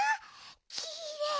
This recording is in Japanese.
きれい！